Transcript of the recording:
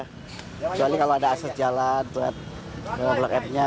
kecuali kalau ada aset jalan buat blok f nya